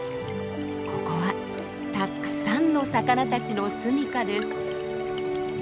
ここはたくさんの魚たちのすみかです。